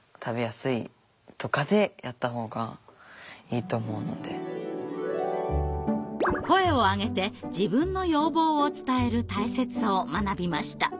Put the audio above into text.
いやもう何か声を上げて自分の要望を伝える大切さを学びました。